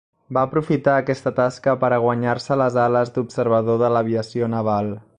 Va aprofitar aquesta tasca per a guanyar-se les ales d'observador de l'aviació naval.